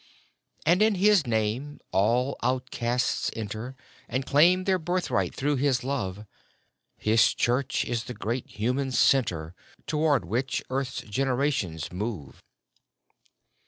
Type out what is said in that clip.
And in His name all outcasts enter, And claim their birthright through His love : His Church is the great human centre Towards which earth's generations move.